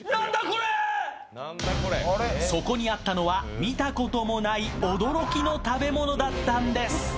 そこにあったのは見たこともない驚きの食べ物だったんです。